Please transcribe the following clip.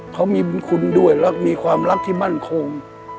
เขามีบุญคุณด้วยและมีความรักที่มั่นคง